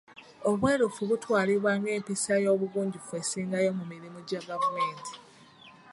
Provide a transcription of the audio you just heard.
Obwerufu butwalibwa ng'empisa y'obugunjufu esingayo mu mirimu gya gavumenti.